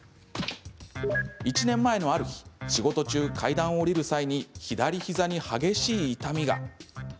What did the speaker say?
１年前のある日、仕事中階段を下りる際に左膝に激しい痛みが。